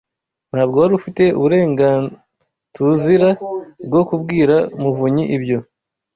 Ntabwo wari ufite uburengaTUZIra bwo kubwira muvunyi ibyo.